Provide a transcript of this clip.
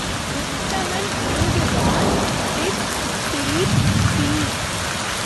உத்தமன் ஊதுவான் பிப்பீப்பீ.